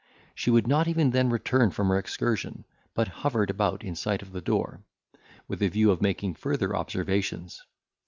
She would not even then return from her excursion, but hovered about in sight of the door, with a view of making further observations.